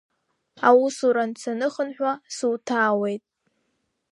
Аусурантә саныхынҳәуа, суҭаауеит…